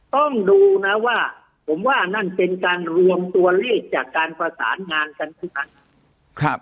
ต้องดูนะว่าผมว่านั่นเป็นการรวมตัวเลขจากการประสานงานกันทุกครั้ง